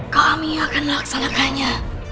kami akan melaksanakannya